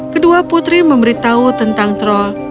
kedua putri memberitahu tentang troll